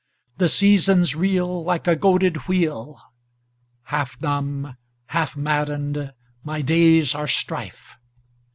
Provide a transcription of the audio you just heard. The seasons reelLike a goaded wheel. Half numb, half maddened, my days are strife.